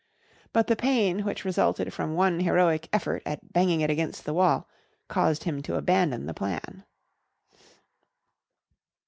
But the pain which resulted from one heroic effort at banging it against the wall caused him to abandon the plan.